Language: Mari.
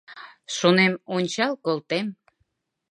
Шонем: ончал колтем;